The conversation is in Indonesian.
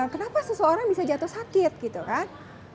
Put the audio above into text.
kenapa seseorang bisa jatuh sakit gitu kan